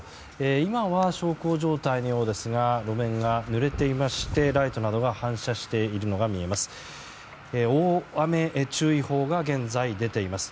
今は小康状態のようですが路面が濡れていましてライトなどが反射しているのが見えます。